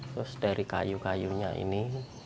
terus dari kayu kayunya ini